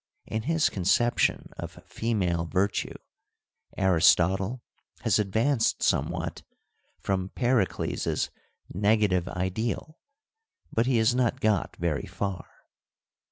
In his conception of female virtue Aristotle has advanced somewhat from Pericles' negative ideal, but he has not got very far.